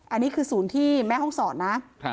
อันนี้คือศูนย์ที่แม่ห้องศรนะ